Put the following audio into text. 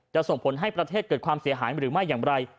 ส่งผลให้ประเทศเกิดความเสียหายหรือไม่อย่างไร